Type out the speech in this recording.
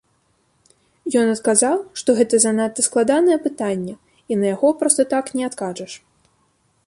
Ён адказаў, што гэта занадта складанае пытанне, і на яго проста так не адкажаш.